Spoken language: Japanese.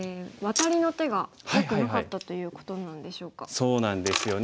そうなんですよね。